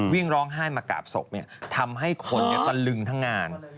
วิ่งร้องไห้มากราบศพทำให้คนตะลึงทั้งงาน